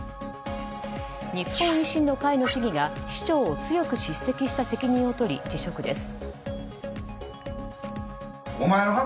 日本維新の会の市議が市長を強く叱責した責任を取り、辞職です。